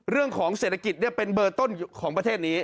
เรื่องของเศรษฐกิจเป็นเบอร์ต้นของประเทศนี้